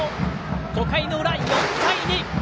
５回の裏、４対２。